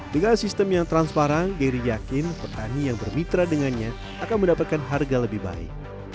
dengan sistem yang transparan geri yakin petani yang bermitra dengannya akan mendapatkan harga lebih baik